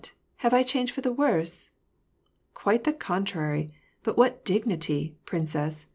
have I changed for the worse ?"'^ Quite the contrary ; but what dignity, princess